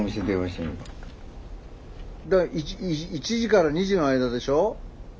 いい１時から２時の間でしょ。